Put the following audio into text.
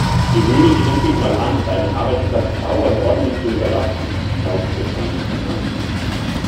Gewöhne dir endlich mal an, deinen Arbeitsplatz sauber und ordentlich zu hinterlassen, schnauzte Franz ihn an.